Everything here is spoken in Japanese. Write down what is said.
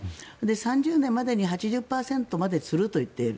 ３０年までに８０％までにすると言っている。